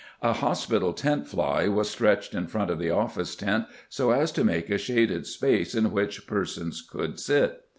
A hospital tent fly was stretched in front of the office tent so as to make a shaded space in which persons could sit.